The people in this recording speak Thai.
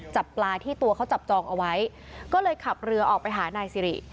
จับปลาที่ตัวเขาจับจองเอาไว้ก็เลยขับเรือออกไปหานายสิริ